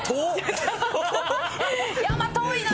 山遠いな！